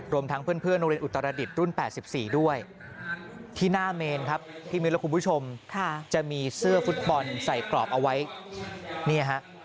ทั้งเพื่อนโรงเรียนอุตรดิษฐ์รุ่น๘๔ด้วยที่หน้าเมนครับพี่มิวและคุณผู้ชมจะมีเสื้อฟุตบอลใส่กรอบเอาไว้เนี่ยฮะ